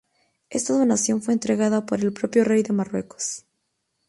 Esta donación fue entregada por el propio Rey del Marruecos.